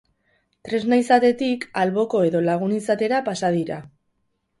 Tresna izatetik alboko edo lagun izatera pasa dira.